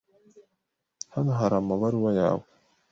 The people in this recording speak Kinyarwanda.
Hano hari amabaruwa yawe.